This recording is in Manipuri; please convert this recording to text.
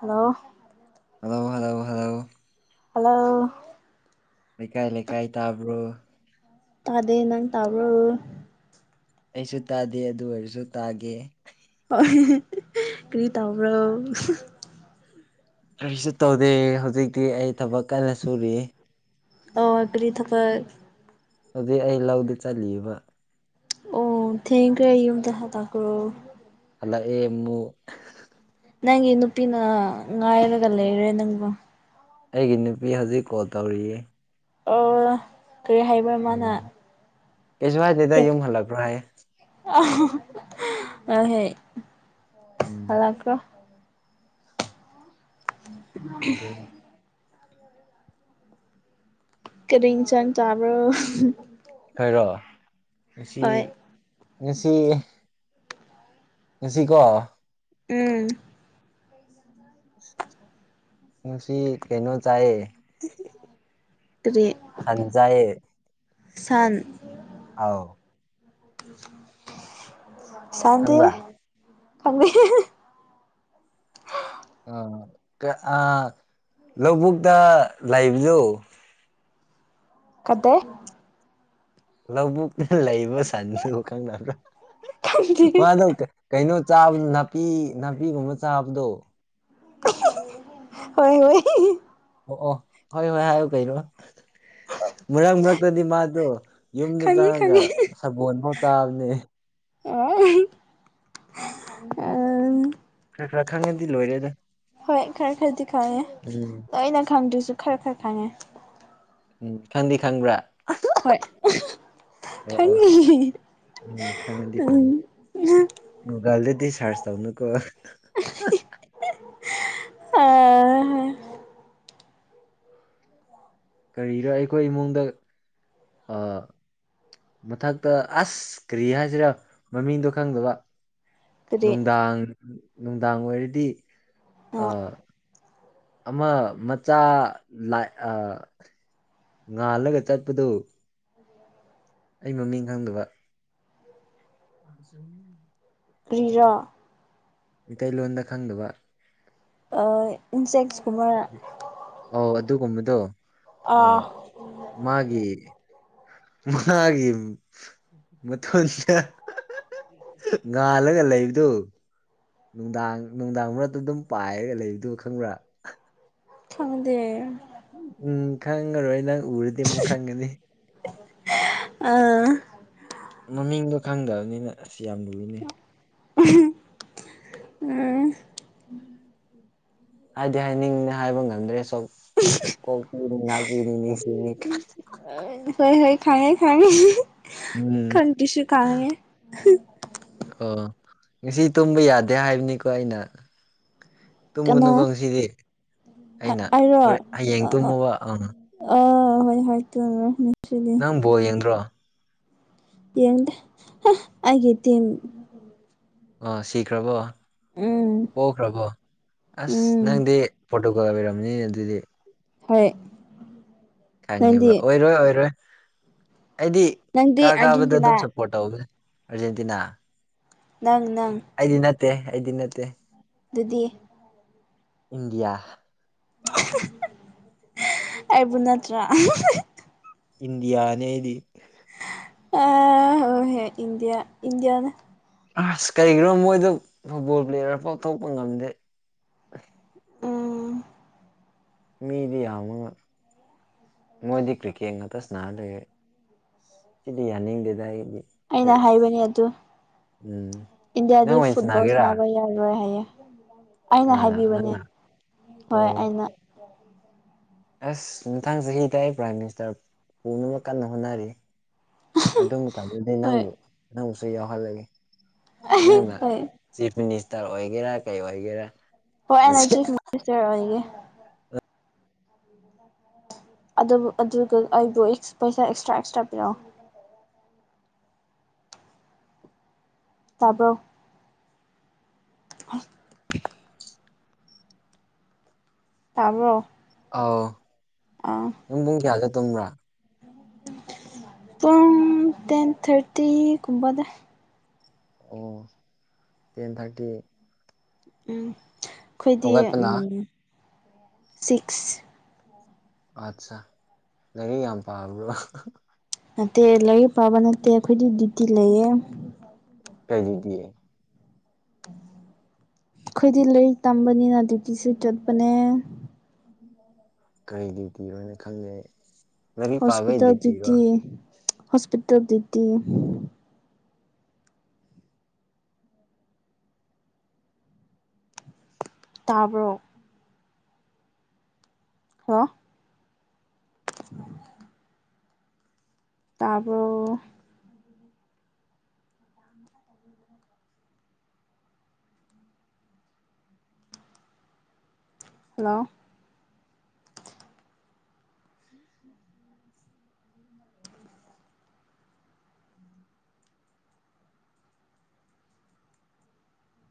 ꯍꯜꯂꯣ ꯍꯜꯂꯣ ꯍꯂꯣ ꯍꯣ ꯍꯂꯣ ꯍꯜꯂꯣ ꯂꯩꯀꯥꯏ ꯂꯩꯀꯥꯏ ꯇꯥꯕ꯭ꯔꯣ ꯇꯗꯦ ꯅꯪ ꯇꯥꯕ꯭ꯔꯣ ꯑꯩꯁꯨ ꯇꯥꯗꯦ ꯑꯗꯨ ꯑꯣꯏꯔꯁꯨ ꯇꯥꯒꯦ ꯄ ꯀ꯭ꯔꯤ ꯇꯧꯕ꯭ꯔꯣ ꯀꯔꯤꯁꯨ ꯇꯧꯗꯦ ꯍꯧꯖꯤꯛꯇꯤ ꯑꯩ ꯊꯕꯛ ꯀꯟꯅ ꯁꯨꯔꯤꯌꯦ ꯑ ꯀꯔꯤ ꯊꯕꯛ ꯍꯧꯖꯤꯛ ꯑꯩ ꯂꯧꯗ ꯆꯠꯂꯤꯕ ꯑꯣ ꯊꯦꯡꯈꯔꯦ ꯌꯨꯝꯗ ꯍꯛꯂꯈ꯭ꯔꯣ ꯍꯜꯂꯛꯑꯦ ꯃꯨꯛ ꯅꯪꯒꯤ ꯅꯨꯄꯤꯅ ꯉꯥꯏꯔꯒ ꯂꯩꯔꯦ ꯅꯪꯕꯨ ꯑꯩꯒꯤ ꯅꯨꯄꯤ ꯍꯧꯖꯤꯛ ꯀꯣꯜ ꯇꯧꯔꯤꯌꯦ ꯑꯣ ꯀꯔꯤ ꯍꯥꯏꯕ꯭ꯔꯥ ꯃꯥꯅ ꯎꯝ ꯀꯩꯁꯨ ꯍꯥꯏꯏ ꯂꯩꯗ ꯌꯨꯝ ꯍꯜꯂꯛꯄ꯭ꯔꯣ ꯍꯥꯏꯌꯦ ꯑ ꯑ ꯍꯦ ꯎꯝ ꯑꯂ ꯀ ꯑꯗꯨꯗ ꯀꯔꯤ ꯁꯥꯡ ꯆꯥꯕ꯭ꯔꯣ ꯍꯣꯏꯔꯣ ꯉꯁꯤ ꯍꯣꯏ ꯉꯁꯤ ꯉꯁꯤꯀꯣ ꯎꯝ ꯉꯁꯤ ꯀꯩꯅꯣ ꯆꯌꯦ ꯇꯔꯦꯠ ꯁꯟꯖꯌꯦ ꯁꯟ ꯑꯥꯎ ꯆꯥꯟꯗ ꯈꯪꯕ꯭ꯔꯥ ꯀ ꯑ ꯂꯧꯕꯨꯛꯇ ꯂꯩꯥꯛꯕꯗꯨꯣ ꯀꯗ ꯂꯧꯕꯨꯛꯅ ꯂꯩꯕ ꯁꯟꯗꯨ ꯈꯪꯅꯕ꯭ꯔꯥ ꯈꯪꯗꯦ ꯃꯥꯗꯧ ꯀ ꯀꯩꯅꯣ ꯆꯥꯕꯗ ꯅꯥꯄꯤ ꯅꯥꯄꯤꯒꯨꯝꯕ ꯆꯥꯕꯗꯣ ꯍꯣꯏ ꯍꯣꯏ ꯑꯣ ꯑꯣ ꯍꯣꯏ ꯍꯣꯏ ꯍꯥꯏꯌꯨ ꯀꯩꯅꯣ [inaudible] ꯃꯔꯛ ꯃꯔꯛꯇꯗꯤ ꯃꯥꯗꯣ ꯌꯨꯝꯗ ꯈꯪꯉꯦ ꯆꯪꯉꯒ ꯈꯪꯉꯦ ꯁꯕꯣꯜꯐꯥꯎ ꯆꯥꯕꯅꯦ ꯑꯣ ꯎꯝ ꯈꯔ ꯈꯔ ꯈꯪꯉꯗꯤ ꯂꯣꯏꯔꯦꯗ ꯍꯣꯏ ꯈꯔ ꯈꯔꯗꯤ ꯈꯪꯉꯦ ꯎꯝ ꯂꯣꯏꯅ ꯈꯪꯗ꯭ꯔꯁꯨ ꯈꯔ ꯈꯔ ꯈꯪꯉꯦ ꯎꯝ ꯈꯪꯗꯤ ꯈꯪꯕ꯭ꯔꯥ ꯍꯣꯏ ꯑꯣ ꯈꯪ ꯑꯣ ꯎꯝ ꯈꯅꯗꯤ ꯐꯅ ꯃꯨꯒꯜꯗꯗꯤ ꯁꯥꯔꯁ ꯇꯧꯅ ꯀꯣ ꯑ ꯇ ꯍ ꯀꯔꯤꯔꯣ ꯑꯩꯈꯣꯏ ꯏꯃꯨꯡꯗ ꯃꯊꯛꯇ ꯑꯁ ꯀꯔꯤ ꯍꯥꯏꯁꯤꯔꯥ ꯃꯃꯤꯡꯗꯣ ꯈꯪꯗꯕ ꯀꯔꯤ ꯅꯨꯡꯗꯥꯡ ꯅꯨꯡꯗꯥꯡ ꯑꯣꯏꯔꯗꯤ ꯑ ꯑꯃ ꯃꯆꯥ ꯉꯥꯜꯂꯒ ꯆꯠꯄꯗꯨ ꯑꯩ ꯃꯃꯤꯡ ꯈꯪꯗꯕ [inaudible] ꯀ꯭ꯔꯤꯔ ꯃꯤꯇꯩꯂꯣꯟꯗ ꯈꯪꯗꯕ ꯏꯟꯁꯦꯛꯁꯀꯨꯝꯕ ꯑꯧ ꯑꯗꯨꯒꯨꯝꯕꯗꯣ ꯑꯥ ꯃꯥꯒꯤ ꯃꯥꯒꯤ ꯃꯇꯊꯣꯟꯁꯤ ꯉꯥꯜꯂꯒ ꯂꯩꯕꯗꯨꯣ ꯅꯨꯡꯗꯥꯡ ꯅꯨꯡꯗꯥꯡ ꯃꯔꯛꯇ ꯑꯗꯨꯝ ꯄꯥꯏꯔꯒ ꯂꯩꯕꯗꯨ ꯈꯪꯕ꯭ꯔꯥ ꯐꯪꯗꯦ ꯎꯝ ꯈꯪꯉꯔꯣꯏ ꯅꯪ ꯎꯔꯗꯤ ꯑꯃꯨꯛ ꯈꯪꯒꯅꯤ ꯑꯥ ꯃꯃꯤꯡꯗꯣ ꯈꯪꯗꯕꯅꯤꯅ ꯑꯁ ꯌꯥꯝ ꯂꯨꯏꯅꯦ ꯎꯝ ꯎ ꯍꯥꯏꯗꯤ ꯍꯥꯏꯅꯤꯡꯅ ꯍꯥꯏꯕ ꯉꯝꯗ꯭ꯔꯦ ꯁ ꯀꯣꯛꯄꯤꯅꯤ ꯉꯥꯛꯄꯤꯅꯤ ꯅꯤꯡꯁꯤꯅꯤ ꯍꯣꯏ ꯍꯣꯏ ꯈꯉꯦ ꯈꯉꯦ ꯎꯝ ꯈꯟꯇꯤꯁꯨꯨ ꯈꯉꯦ ꯑꯣ ꯉꯁꯤ ꯇꯨꯝꯕ ꯌꯥꯗꯦ ꯍꯥꯏꯕꯅꯤꯀꯣ ꯑꯩꯅ ꯀꯅꯥ ꯇꯨꯝꯒꯅꯨꯀꯣ ꯉꯁꯤꯗꯤ ꯑꯩꯅ ꯍꯣꯔꯦꯟ ꯍꯌꯦꯡ ꯇꯨꯝꯃꯨꯕ ꯑ ꯑ ꯍꯣꯏ ꯍ ꯇꯔꯃꯤ ꯅꯪ ꯕꯣ ꯌꯦꯡꯗ꯭ꯔꯣ ꯌꯦꯗꯦ ꯍꯥ ꯑꯩꯒꯤ ꯇꯤꯝ ꯑꯣ ꯁꯤꯈ꯭ꯔꯕꯣ ꯎꯝ ꯄꯣꯛꯈ꯭ꯔꯕꯣ ꯑꯁ ꯎꯝ ꯅꯪꯗꯤ ꯐꯣꯇꯣ ꯑꯣꯏꯔꯝꯅꯤ ꯑꯗꯨꯗꯤ ꯍꯣꯏ ꯅꯪꯗꯤ ꯈꯪꯉꯦꯕ ꯑꯣꯏꯔꯣꯏ ꯑꯣꯏꯔꯣꯏ ꯑꯩꯗꯤ ꯅꯪꯗꯤ ꯀꯥ ꯀꯥꯕꯗ ꯑꯥꯔꯖꯦꯟꯇꯤꯅꯥ ꯑꯗꯨꯝ ꯁ ꯄ ꯑꯔꯖꯦꯟꯇꯤꯅꯥ ꯅꯪ ꯅꯪ ꯑꯩꯗꯤ ꯅꯠꯇꯦ ꯑꯩꯗꯤ ꯅꯠꯇꯦ ꯑꯗꯨꯗꯤ ꯏꯟꯗꯤꯌꯥ ꯑꯩꯕꯨ ꯅꯠꯇ꯭ꯔꯥ ꯏꯟꯗꯤꯌꯥ ꯑꯩꯗꯤ ꯑ ꯍ ꯍ ꯏꯟꯗꯤꯌꯥ ꯏꯟꯗꯤꯌꯥꯅ ꯑꯁ ꯀꯔꯤꯒꯤꯅꯣ ꯃꯣꯏꯗꯣ ꯐꯨꯠꯕꯣꯜ ꯄ꯭ꯂꯦꯌꯔ ꯄꯥꯎꯊꯣꯛꯄ ꯉꯝꯗꯦ ꯎꯝ ꯃꯤꯗꯤ ꯌꯥꯝꯒ ꯃꯣꯏꯗꯤ ꯀ꯭ꯔꯤꯀꯦꯠ ꯉꯗ ꯁꯅ ꯂꯩꯔꯦ ꯁꯤꯗꯤ ꯌꯥꯅꯤꯡꯗꯦꯗ ꯑꯩꯗꯤ ꯑꯁ ꯍꯥꯏꯕꯅꯤ ꯑꯗꯨꯨ ꯎꯝ ꯅꯪ ꯑꯣꯏꯅ ꯁꯥꯅꯥꯒꯦꯔꯥ ꯁꯥꯟꯅꯕ ꯌꯥꯔꯣꯏ ꯍꯥꯏꯌꯦ ꯑꯩꯅ ꯍꯥꯏꯕꯤꯕꯅꯦ ꯍꯣꯏ ꯑꯣ ꯑꯩꯅ ꯑꯁ ꯃꯅꯨꯡꯊꯥꯡ ꯆꯍꯤꯗ ꯑꯩ ꯄ꯭ꯔꯥꯏꯝ ꯃꯤꯅꯤꯁꯇꯔ ꯄꯨꯅꯃꯛ ꯀꯟꯅ ꯍꯣꯠꯅꯔꯤ ꯑꯗꯨꯝ ꯃꯇꯝꯗꯗꯤ ꯍꯣꯏ ꯅꯪꯕꯨ ꯅꯪꯕꯨꯁꯨ ꯌꯥꯎꯍꯜꯂꯒꯦ ꯅꯪꯅ ꯍꯣꯏ ꯆꯤꯐ ꯃꯤꯅꯤꯁꯇꯔ ꯑꯣꯏꯒꯦꯔꯥ ꯀꯩ ꯑꯣꯏꯒꯦꯔꯥ ꯍꯣꯔ ꯑꯩꯅ ꯆꯤꯐ ꯃꯤꯅꯤꯁꯇꯔ ꯑꯣꯏꯒꯦ [inaudible] ꯑꯗꯨ ꯑꯩꯕꯨ ꯄꯩꯁꯥ ꯑꯦꯛꯁꯇ꯭ꯔꯥ ꯑꯦꯛꯁꯇ꯭ꯔꯥ ꯄꯤꯔꯛꯑꯣ ꯇꯥꯕ꯭ꯔꯣ ꯍ ꯇꯥꯕ꯭ꫪꯣ ꯑꯥꯎ ꯑꯥ ꯅꯪ ꯄꯨꯡ ꯀꯌꯥꯒ ꯇꯨꯝꯕ꯭ꯔꯥ ꯄꯨꯡ ꯇꯦꯟ ꯊꯔꯇꯤꯒꯨꯝꯕꯗ ꯑꯣ ꯇꯦꯟ ꯊꯥꯔꯇꯤ ꯎ ꯑꯩꯈꯣꯏꯗꯤ ꯍꯧꯒꯠꯄꯅ ꯁꯤꯛꯁ ꯑꯠꯆꯥ ꯂꯩꯔꯤꯛ ꯌꯥꯝ ꯄꯥꯕ꯭ꯔꯣ ꯅꯠꯇꯦ ꯂꯥꯏꯔꯤꯛ ꯄꯥꯕ ꯅꯠꯇꯦ ꯑꯩꯈꯣꯏꯗꯤ ꯗ꯭ꯌꯨꯇꯤ ꯂꯩꯌꯦ ꯀꯩꯗ꯭ꯌꯨꯇꯤ ꯑꯩꯈꯣꯏꯗꯤ ꯂꯩ ꯇꯝꯕꯅꯤꯅ ꯗ꯭ꯌꯨꯇꯤꯁꯨ ꯆꯠꯄꯅꯦ ꯀꯔꯤ ꯗ꯭ꯌꯨꯇꯤ ꯍꯥꯏꯅ ꯈꯟꯖꯩ ꯍꯣꯁꯄꯤꯇꯥꯜ ꯗꯇꯤ ꯍꯣꯁꯄꯤꯇꯥꯜ ꯗꯗꯤꯇꯤ ꯇꯥꯕ꯭ꯔꯣ ꯍ [inaudible] ꯇꯥꯕ꯭ꯔꯣ ꯍꯜꯂꯣ